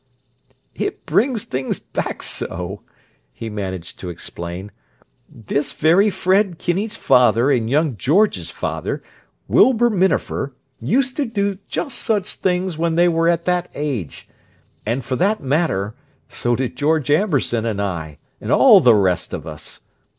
"It brings things back so!" he managed to explain, "This very Fred Kinney's father and young George's father, Wilbur Minafer, used to do just such things when they were at that age—and, for that matter, so did George Amberson and I, and all the rest of us!"